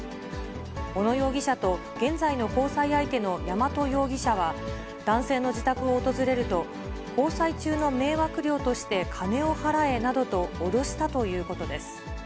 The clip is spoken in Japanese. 小野容疑者と、現在の交際相手の山戸容疑者は、男性の自宅を訪れると、交際中の迷惑料として、金を払えなどと脅したということです。